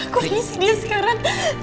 kondisi dia sekarang